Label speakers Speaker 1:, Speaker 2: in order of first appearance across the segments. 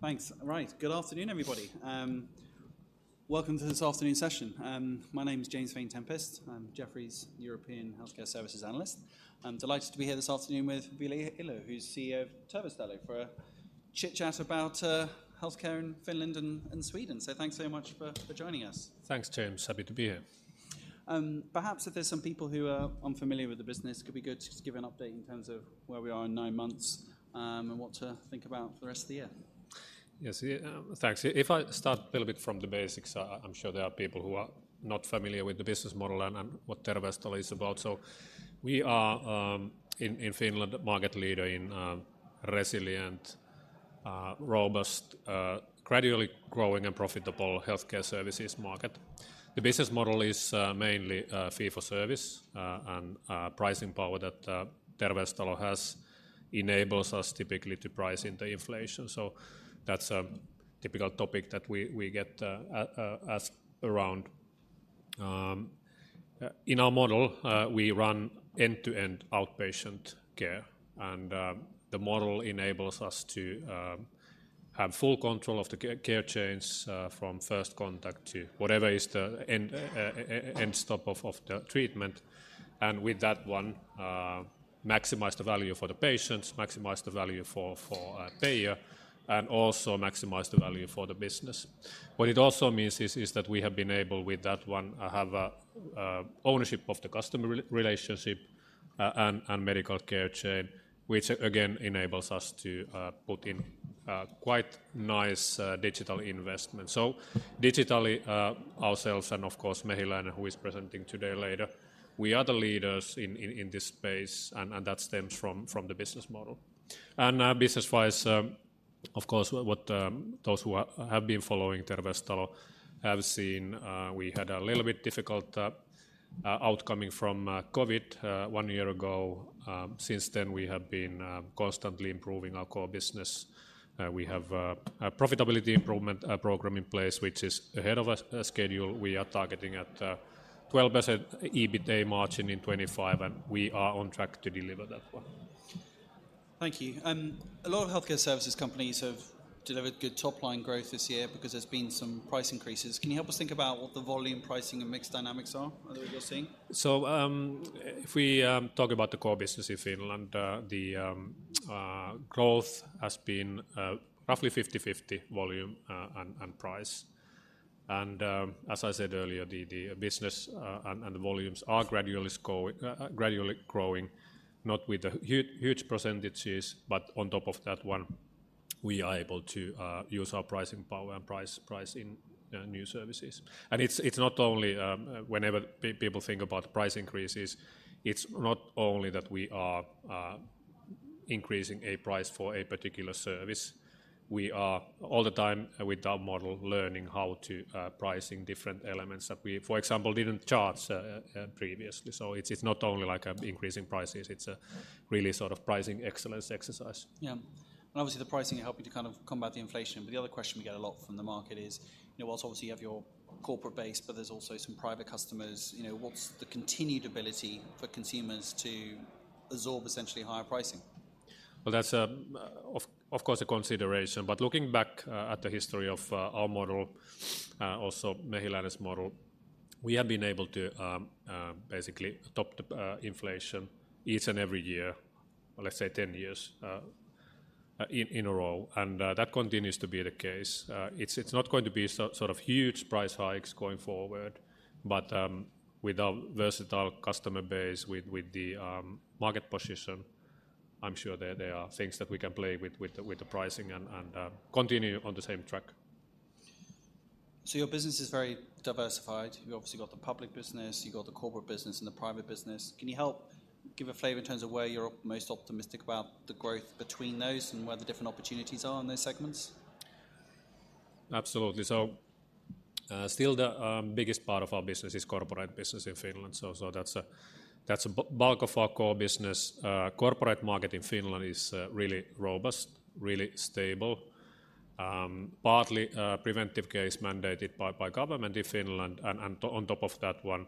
Speaker 1: Thanks. Right. Good afternoon, everybody. Welcome to this afternoon's session. My name is James Vane-Tempest. I'm Jefferies' European Healthcare Services Analyst. I'm delighted to be here this afternoon with Ville Iho, who's CEO of Terveystalo, for a chit-chat about healthcare in Finland and Sweden. So thanks so much for joining us.
Speaker 2: Thanks, James. Happy to be here.
Speaker 1: Perhaps if there's some people who are unfamiliar with the business, it could be good to just give an update in terms of where we are in nine months, and what to think about for the rest of the year.
Speaker 2: Yes, yeah, thanks. If I start a little bit from the basics, I'm sure there are people who are not familiar with the business model and what Terveystalo is about. So we are in Finland, market leader in resilient, robust, gradually growing and profitable healthcare services market. The business model is mainly fee for service and pricing power that Terveystalo has enables us typically to price in the inflation. So that's a typical topic that we get asked around. In our model, we run end-to-end outpatient care, and the model enables us to have full control of the care chains, from first contact to whatever is the end stop of the treatment, and with that one, maximize the value for the patients, maximize the value for payer, and also maximize the value for the business. What it also means is that we have been able, with that one, have a ownership of the customer relationship and medical care chain, which again, enables us to put in quite nice digital investment. So digitally, ourselves and of course, Mehiläinen, who is presenting today later, we are the leaders in this space, and that stems from the business model. Business-wise, of course, those who have been following Terveystalo have seen, we had a little bit difficult outcome from COVID one year ago. Since then, we have been constantly improving our core business. We have a profitability improvement program in place, which is ahead of schedule. We are targeting 12% EBITDA margin in 2025, and we are on track to deliver that one.
Speaker 1: Thank you. A lot of healthcare services companies have delivered good top-line growth this year because there's been some price increases. Can you help us think about what the volume, pricing, and mix dynamics are, that we're seeing?
Speaker 2: So, if we talk about the core business in Finland, the growth has been roughly 50/50 volume and price. As I said earlier, the business and the volumes are gradually growing, not with the huge percentages, but on top of that one, we are able to use our pricing power and price in new services. And it's not only whenever people think about price increases, it's not only that we are increasing a price for a particular service. We are all the time, with our model, learning how to price in different elements that we, for example, didn't charge previously. So it's not only like increasing prices, it's a really sort of pricing excellence exercise.
Speaker 1: Yeah. Obviously, the pricing helping to kind of combat the inflation, but the other question we get a lot from the market is, you know, while obviously you have your corporate base, but there's also some private customers, you know, what's the continued ability for consumers to absorb essentially higher pricing?
Speaker 2: Well, that's of course a consideration, but looking back at the history of our model, also Mehiläinen's model, we have been able to basically top the inflation each and every year, let's say 10 years in a row, and that continues to be the case. It's not going to be sort of huge price hikes going forward, but with our versatile customer base, with the market position, I'm sure there are things that we can play with, with the pricing and continue on the same track.
Speaker 1: Your business is very diversified. You obviously got the public business, you got the corporate business, and the private business. Can you help give a flavor in terms of where you're most optimistic about the growth between those, and where the different opportunities are in those segments?
Speaker 2: Absolutely. So, still the biggest part of our business is corporate business in Finland. So, so that's a, that's a bulk of our core business. Corporate market in Finland is really robust, really stable, partly preventive care is mandated by, by government in Finland, and, and on top of that one,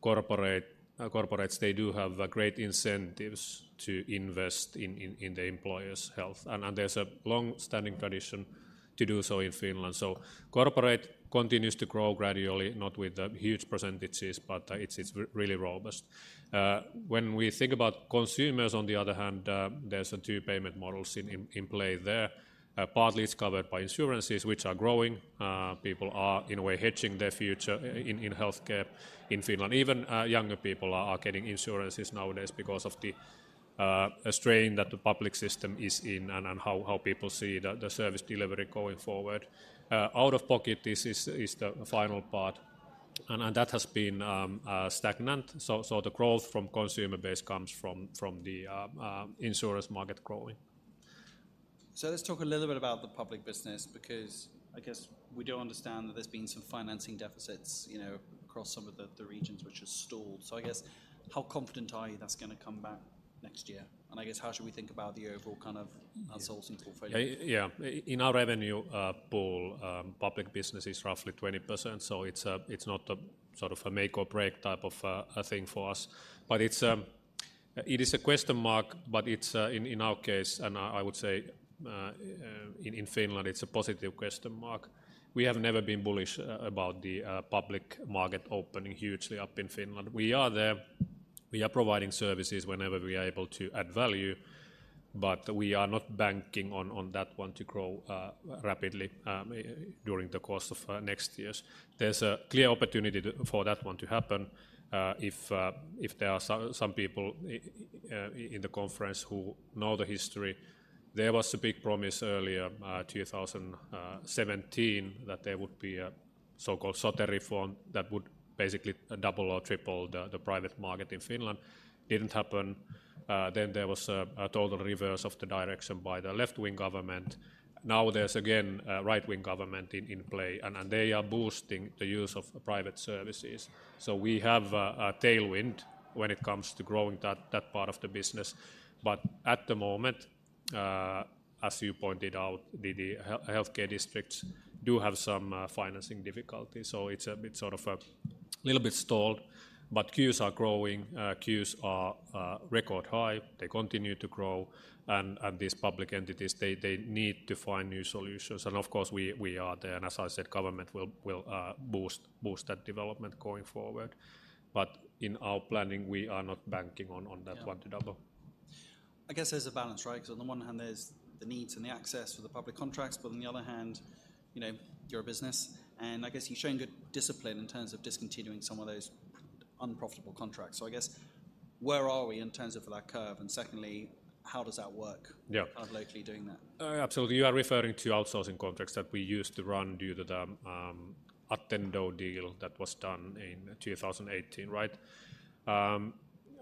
Speaker 2: corporate, corporates, they do have great incentives to invest in, in, in the employer's health, and, and there's a long-standing tradition to do so in Finland. So corporate continues to grow gradually, not with huge percentages, but, it's, it's really robust. When we think about consumers, on the other hand, there's two payment models in, in, in play there. Partly it's covered by insurances, which are growing. People are, in a way, hedging their future in, in healthcare in Finland. Even younger people are getting insurances nowadays because of the strain that the public system is in and how people see the service delivery going forward. Out-of-pocket, this is the final part, and that has been stagnant. So the growth from consumer base comes from the insurance market growing.
Speaker 1: So let's talk a little bit about the public business, because I guess we do understand that there's been some financing deficits, you know, across some of the regions which have stalled. So I guess, how confident are you that's gonna come back next year? And I guess, how should we think about the overall kind of results in the portfolio?
Speaker 2: Yeah. Yeah, in our revenue pool, public business is roughly 20%, so it's not a sort of a make or break type of a thing for us. But it's. It is a question mark, but it's in our case, and I would say in Finland, it's a positive question mark. We have never been bullish about the public market opening hugely up in Finland. We are there. We are providing services whenever we are able to add value, but we are not banking on that one to grow rapidly during the course of next years. There's a clear opportunity for that one to happen. If there are some people in the conference who know the history, there was a big promise earlier, 2017, that there would be a so-called Sote reform that would basically double or triple the private market in Finland. Didn't happen. Then there was a total reverse of the direction by the left-wing government. Now, there's again a right-wing government in play, and they are boosting the use of private services. So we have a tailwind when it comes to growing that part of the business. But at the moment, as you pointed out, the healthcare districts do have some financing difficulties, so it's a bit sort of a little bit stalled, but queues are growing. Queues are record high. They continue to grow, and these public entities, they need to find new solutions, and of course, we are there. And as I said, government will boost that development going forward. But in our planning, we are not banking on that one to double.
Speaker 1: I guess there's a balance, right? 'Cause on the one hand, there's the needs and the access for the public contracts, but on the other hand, you know, you're a business, and I guess you're showing good discipline in terms of discontinuing some of those unprofitable contracts. So I guess, where are we in terms of that curve, and secondly, how does that work
Speaker 2: Yeah.
Speaker 1: locally doing that?
Speaker 2: Absolutely. You are referring to outsourcing contracts that we used to run due to the Attendo deal that was done in 2018, right?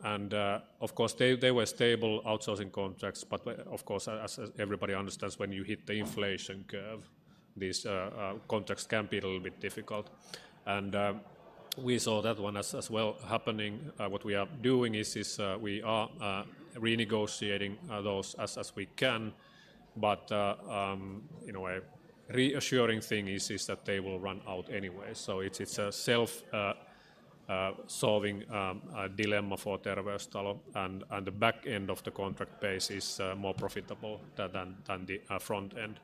Speaker 2: And, of course, they were stable outsourcing contracts, but, of course, as everybody understands, when you hit the inflation curve, these contracts can be a little bit difficult. And, we saw that one as well happening. What we are doing is we are renegotiating those as we can, but, in a way, reassuring thing is that they will run out anyway. So it's a self-solving dilemma for Terveystalo, and the back end of the contract base is more profitable than the front end.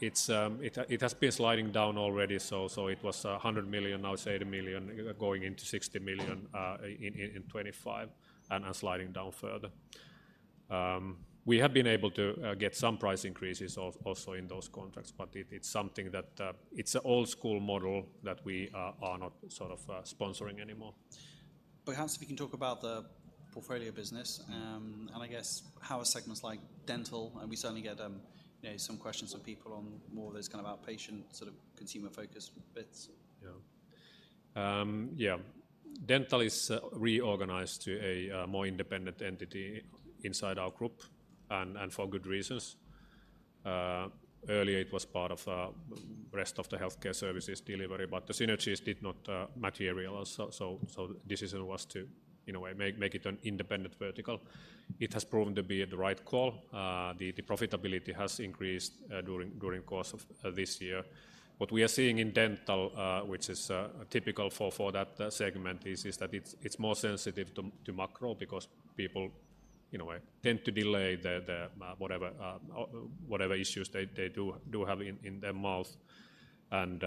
Speaker 2: It has been sliding down already, so it was 100 million, now it's 80 million, going into 60 million in 2025, and sliding down further. We have been able to get some price increases also in those contracts, but it's something that it's an old school model that we are not sort of sponsoring anymore.
Speaker 1: Perhaps if we can talk about the portfolio business, and I guess how are segments like dental? We certainly get, you know, some questions from people on more of those kind of outpatient, sort of consumer-focused bits.
Speaker 2: Yeah. Yeah. Dental is reorganized to a more independent entity inside our group and for good reasons. Earlier, it was part of rest of the healthcare services delivery, but the synergies did not materialize, so the decision was to, in a way, make it an independent vertical. It has proven to be the right call. The profitability has increased during the course of this year. What we are seeing in dental, which is typical for that segment, is that it's more sensitive to macro because people, in a way, tend to delay whatever issues they do have in their mouth and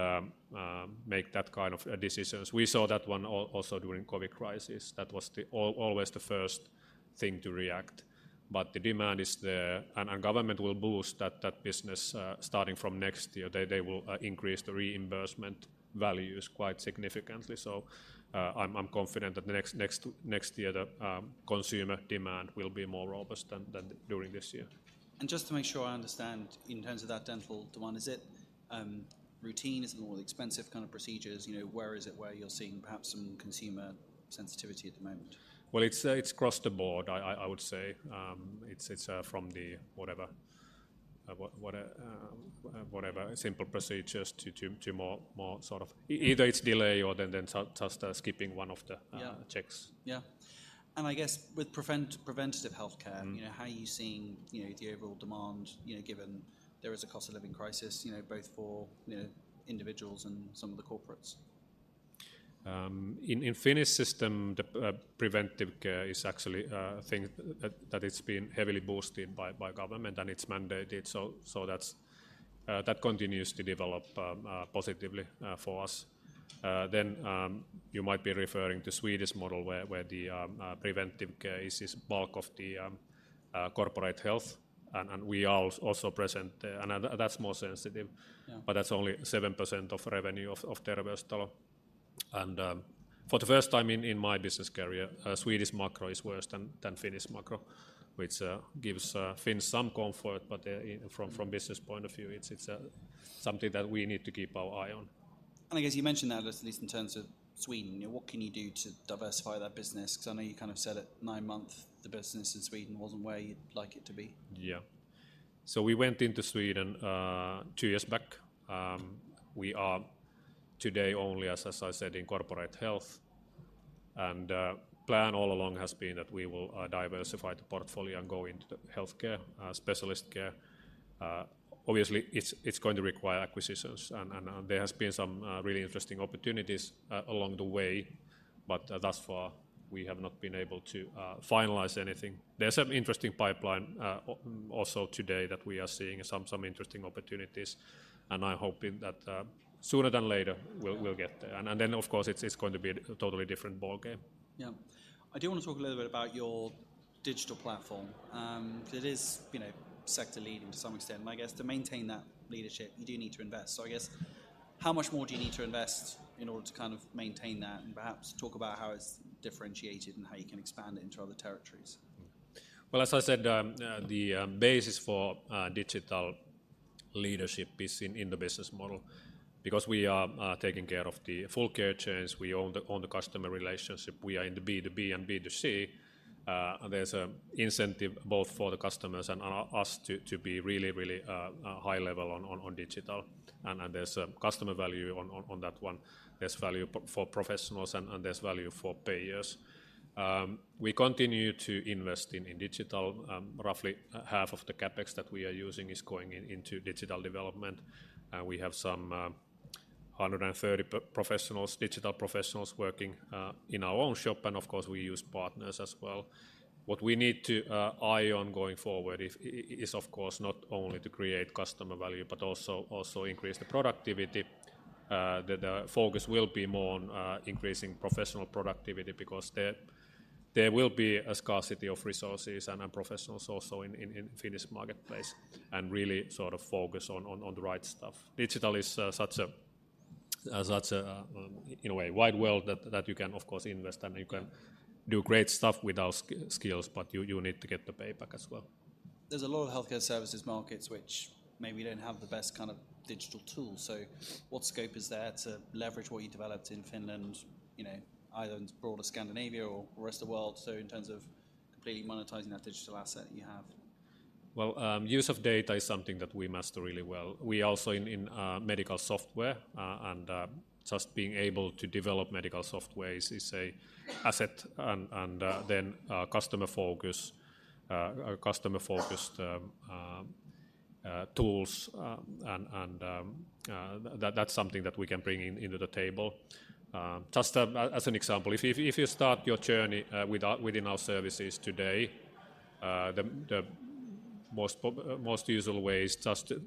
Speaker 2: make that kind of decisions. We saw that also during COVID crisis. That was always the first thing to react. But the demand is there, and our government will boost that business, starting from next year. They will increase the reimbursement values quite significantly. So, I'm confident that next year, the consumer demand will be more robust than during this year.
Speaker 1: Just to make sure I understand, in terms of that dental demand, is it routine? Is it more the expensive kind of procedures? You know, where is it, where you're seeing perhaps some consumer sensitivity at the moment?
Speaker 2: Well, it's across the board. I would say it's from whatever simple procedures to more sort of, either it's delay or then just skipping one of the
Speaker 1: Yeah.
Speaker 2: checks.
Speaker 1: Yeah. And I guess with preventative healthcare
Speaker 2: Mm.
Speaker 1: You know, how are you seeing, you know, the overall demand, you know, given there is a cost of living crisis, you know, both for, you know, individuals and some of the corporates?
Speaker 2: In Finnish system, the preventive care is actually thing that is being heavily boosted by government, and it's mandated. So, that continues to develop positively for us. Then, you might be referring to Swedish model, where the preventive care is bulk of the corporate health, and we are also present there, and that's more sensitive.
Speaker 1: Yeah.
Speaker 2: But that's only 7% of revenue of Terveystalo. And, for the first time in my business career, Swedish macro is worse than Finnish macro, which gives Finns some comfort, but, from business point of view, it's something that we need to keep our eye on.
Speaker 1: I guess you mentioned that at least in terms of Sweden, you know, what can you do to diversify that business? 'Cause I know you kind of said at nine month, the business in Sweden wasn't where you'd like it to be.
Speaker 2: Yeah. So we went into Sweden, two years back. We are today only, as, as I said, in corporate health, and plan all along has been that we will diversify the portfolio and go into the healthcare, specialist care. Obviously, it's going to require acquisitions, and there has been some really interesting opportunities along the way. But thus far, we have not been able to finalize anything. There's an interesting pipeline, also today that we are seeing some interesting opportunities, and I'm hoping that, sooner than later. We'll get there. And then, of course, it's going to be a totally different ballgame.
Speaker 1: Yeah. I do want to talk a little bit about your digital platform. It is, you know, sector-leading to some extent, and I guess to maintain that leadership, you do need to invest. So I guess, how much more do you need to invest in order to kind of maintain that? And perhaps talk about how it's differentiated and how you can expand it into other territories.
Speaker 2: Well, as I said, the basis for digital leadership is in the business model. Because we are taking care of the full care chains, we own the customer relationship. We are in the B2B and B2C, and there's a incentive both for the customers and us to be really, really high level on digital, and there's a customer value on that one. There's value for professionals, and there's value for payers. We continue to invest in digital. Roughly half of the CapEx that we are using is going into digital development, and we have some 130 professionals, digital professionals, working in our own shop, and of course, we use partners as well. What we need to eye on going forward is, of course, not only to create customer value, but also increase the productivity. The focus will be more on increasing professional productivity because there will be a scarcity of resources and professionals also in Finnish marketplace, and really sort of focus on the right stuff. Digital is such a wide world in a way that you can, of course, invest, and you can do great stuff with our skills, but you need to get the payback as well.
Speaker 1: There's a lot of healthcare services markets which maybe don't have the best kind of digital tools, so what scope is there to leverage what you developed in Finland, you know, either into broader Scandinavia or the rest of the world, so in terms of completely monetizing that digital asset that you have?
Speaker 2: Well, use of data is something that we master really well. We also in medical software and just being able to develop medical softwares is a asset, and then customer focus, customer-focused tools, and that's something that we can bring into the table. Just as an example, if you start your journey within our services today, the most usual way is just to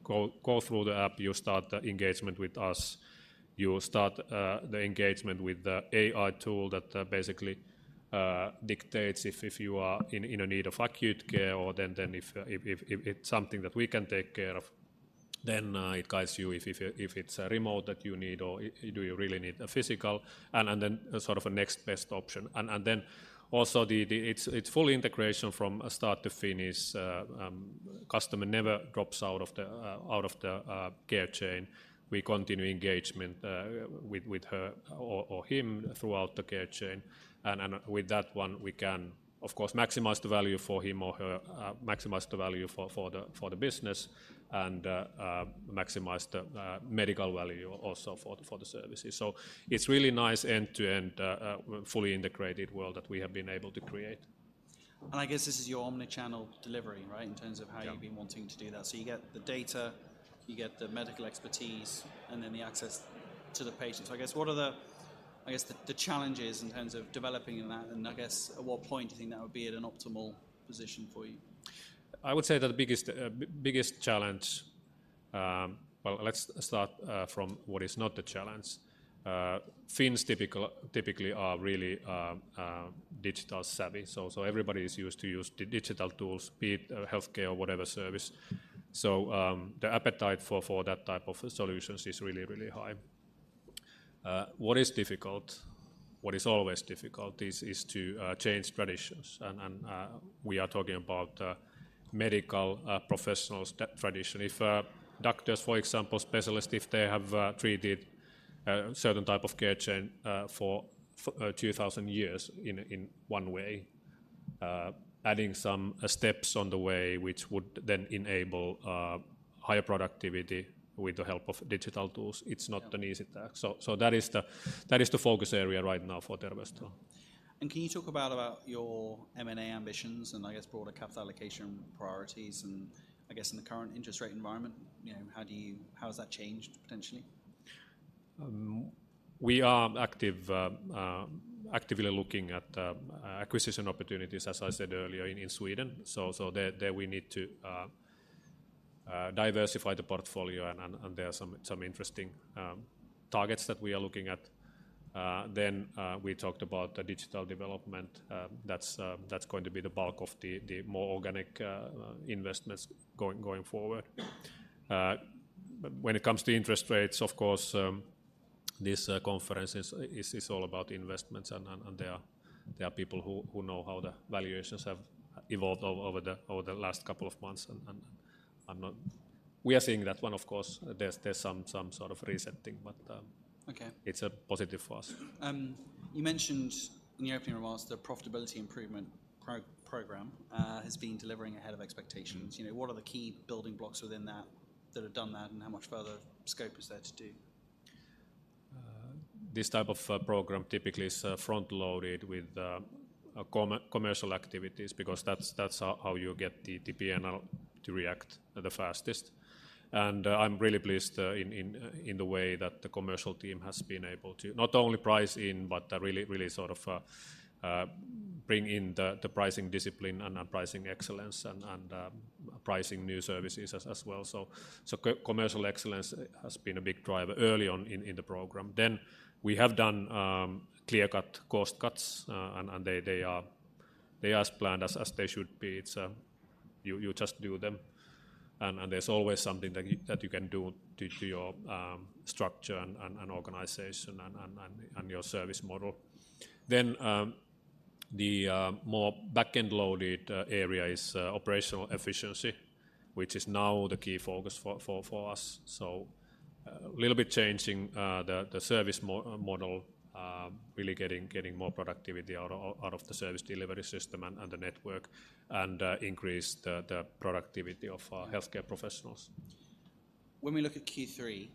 Speaker 2: go through the app. You start the engagement with us. You start the engagement with the AI tool that basically dictates if you are in a need of acute care or then if it's something that we can take care of, then it guides you if it's a remote that you need, or do you really need a physical, and then sort of a next best option. And then also it's full integration from start to finish. Customer never drops out of the care chain. We continue engagement with her or him throughout the care chain, and with that one, we can, of course, maximize the value for him or her, maximize the value for the business and maximize the medical value also for the services. So it's really nice end-to-end fully integrated world that we have been able to create.
Speaker 1: I guess this is your omni-channel delivery, right? In terms of how
Speaker 2: Yeah
Speaker 1: you've been wanting to do that. So you get the data, you get the medical expertise, and then the access to the patient. So I guess what are the, I guess, the challenges in terms of developing in that, and I guess, at what point do you think that would be at an optimal position for you?
Speaker 2: I would say that the biggest challenge. Well, let's start from what is not a challenge. Finns typically are really digital savvy, so everybody is used to use the digital tools, be it healthcare or whatever service. So, the appetite for that type of solutions is really, really high. What is difficult, what is always difficult, is to change traditions, and we are talking about medical professionals' tradition. If doctors, for example, specialists, if they have treated certain type of care chain for 2,000 years in one way, adding some steps on the way, which would then enable higher productivity with the help of digital tools, it's not an easy task.
Speaker 1: Yeah.
Speaker 2: So that is the focus area right now for Terveystalo.
Speaker 1: Can you talk about your M&A ambitions, and I guess broader capital allocation priorities, and I guess in the current interest rate environment, you know, how do you, how has that changed potentially?
Speaker 2: We are actively looking at acquisition opportunities, as I said earlier, in Sweden. So, there we need to diversify the portfolio, and there are some interesting targets that we are looking at. Then, we talked about the digital development. That's going to be the bulk of the more organic investments going forward. When it comes to interest rates, of course, this conference is all about investments, and there are people who know how the valuations have evolved over the last couple of months, and I'm not. We are seeing that one, of course. There's some sort of resetting, but
Speaker 1: Okay.
Speaker 2: it's a positive for us.
Speaker 1: You mentioned in your opening remarks that profitability improvement program has been delivering ahead of expectations.
Speaker 2: Mm-hmm.
Speaker 1: You know, what are the key building blocks within that, that have done that, and how much further scope is there to do?
Speaker 2: This type of a program typically is front-loaded with commercial activities because that's how you get the P&L to react the fastest. And I'm really pleased in the way that the commercial team has been able to not only price in, but really really sort of bring in the pricing discipline and pricing excellence and pricing new services as well. So commercial excellence has been a big driver early on in the program. Then, we have done clear-cut cost cuts, and they are as planned as they should be. It's... You just do them, and there's always something that you can do to your structure and organization and your service model. Then, the more back-end loaded area is operational efficiency, which is now the key focus for us. So, a little bit changing the service model, really getting more productivity out of the service delivery system and the network, and increase the productivity of our healthcare professionals.
Speaker 1: When we look at Q3,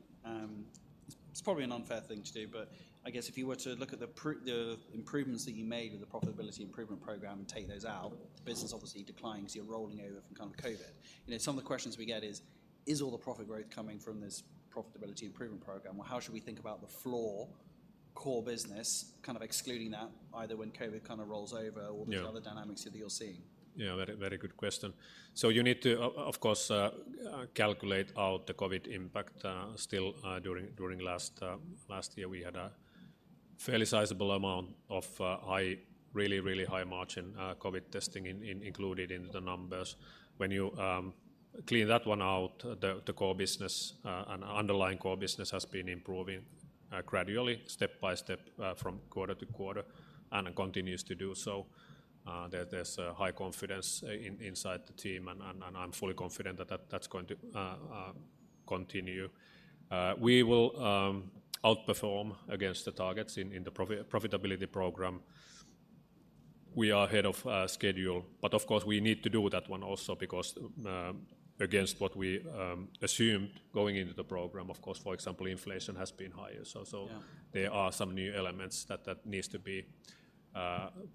Speaker 1: it's probably an unfair thing to do, but I guess if you were to look at the improvements that you made with the profitability improvement program and take those out, business obviously declines. You're rolling over from kind of COVID. You know, some of the questions we get is, is all the profit growth coming from this profitability improvement program, or how should we think about the floor core business, kind of excluding that, either when COVID kind of rolls over
Speaker 2: Yeah.
Speaker 1: or these other dynamics that you're seeing?
Speaker 2: Yeah, very, very good question. So you need to of course calculate out the COVID impact. Still, during last year, we had a fairly sizable amount of high, really, really high margin COVID testing included in the numbers. When you clear that one out, the core business and underlying core business has been improving gradually, step by step, from quarter to quarter, and it continues to do so. There's a high confidence inside the team, and I'm fully confident that that's going to continue. We will outperform against the targets in the profitability program. We are ahead of schedule, but of course, we need to do that one also because, against what we assumed going into the program, of course, for example, inflation has been higher. So, so
Speaker 1: Yeah.
Speaker 2: there are some new elements that needs to be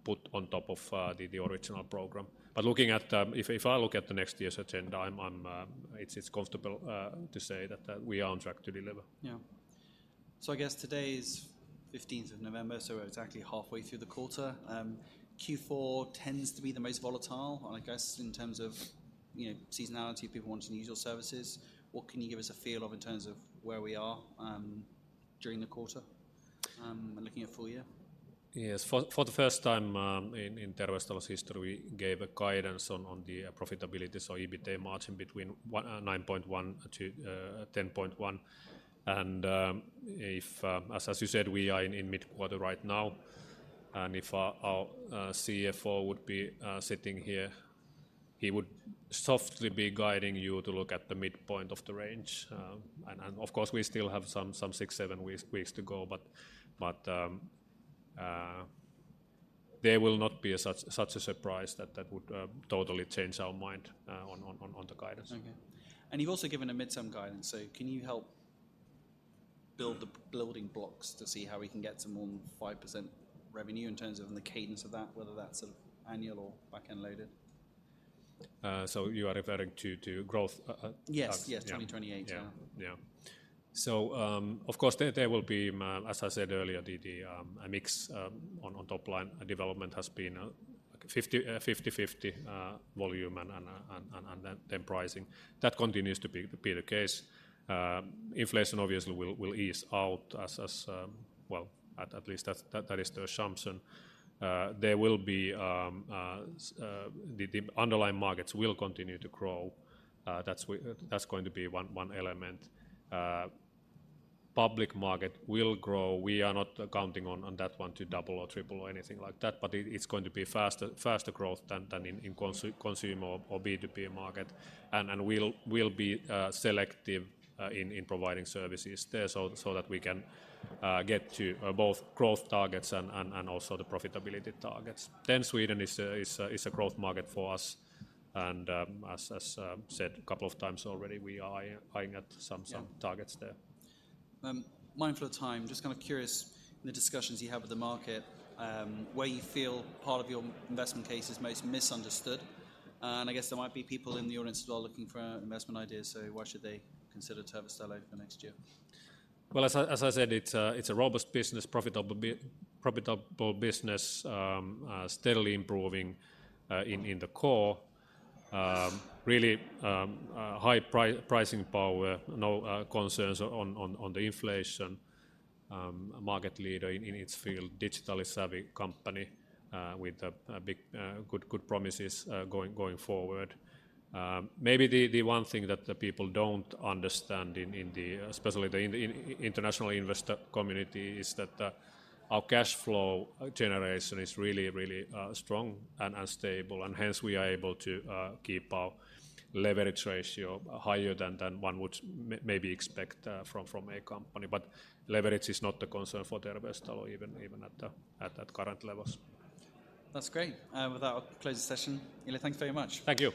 Speaker 2: put on top of the original program. But looking at, if I look at the next year's agenda, it's comfortable to say that we are on track to deliver.
Speaker 1: Yeah. So I guess today is 15th of November, so we're exactly halfway through the quarter. Q4 tends to be the most volatile, and I guess in terms of, you know, seasonality, people wanting to use your services. What can you give us a feel of in terms of where we are during the quarter and looking at full-year?
Speaker 2: Yes. For the first time in Terveystalo's history, we gave a guidance on the profitability, so EBITDA margin between 9.1%-10.1%. And if, as you said, we are in mid-quarter right now, and if our CFO would be sitting here, he would softly be guiding you to look at the midpoint of the range. And of course, we still have some six, seven weeks to go, but there will not be such a surprise that would totally change our mind on the guidance.
Speaker 1: Okay. And you've also given a mid-term guidance, so can you help build the building blocks to see how we can get to more than 5% revenue in terms of the cadence of that, whether that's sort of annual or back-end loaded?
Speaker 2: So you are referring to growth?
Speaker 1: Yes, yes.
Speaker 2: Yeah.
Speaker 1: 2028.
Speaker 2: Yeah, yeah. So, of course, there will be, as I said earlier, a mix on top line. Development has been 50/50 volume and pricing. That continues to be the case. Inflation obviously will ease out as, well, at least that's the assumption. The underlying markets will continue to grow. That's going to be one element. Public market will grow. We are not counting on that one to double or triple or anything like that, but it's going to be faster growth than in consumer or B2B market. And we'll be selective in providing services there so that we can get to both growth targets and also the profitability targets. Then Sweden is a growth market for us, and as said a couple of times already, we are eyeing at some
Speaker 1: Yeah.
Speaker 2: some targets there.
Speaker 1: Mindful of time, just kind of curious, in the discussions you have with the market, where you feel part of your investment case is most misunderstood. I guess there might be people in the audience who are looking for investment ideas, so why should they consider Terveystalo for next year?
Speaker 2: Well, as I said, it's a robust business, profitable business, steadily improving in the core. Really high pricing power, no concerns on the inflation, a market leader in its field, digitally savvy company with big, good promises going forward. Maybe the one thing that the people don't understand in the, especially the international investor community, is that our cash flow generation is really, really strong and unstable, and hence, we are able to keep our leverage ratio higher than one would maybe expect from a company. But leverage is not a concern for Terveystalo, even at the current levels.
Speaker 1: That's great. With that, I'll close the session. Ville, thanks very much.
Speaker 2: Thank you.